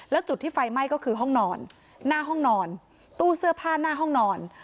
แล้วจุดที่ไฟไหม้ก็คือห้องนอนหน้าห้องนอนตู้เสื้อผ้าหน้าห้องนอน